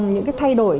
những cái thay đổi